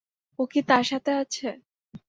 ও কি তার সাথে আছে?